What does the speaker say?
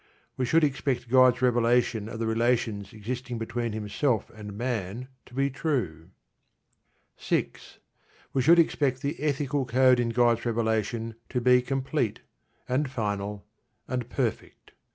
We should expect God's revelation of the relations existing between Himself and man to be true. 6. We should expect the ethical code in God's revelation to be complete, and final, and perfect.